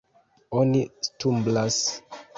Oni stumblas.